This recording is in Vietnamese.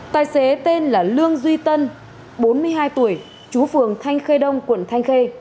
tài xế tên là lương duy tân bốn mươi hai tuổi chú phường thanh khê đông quận thanh khê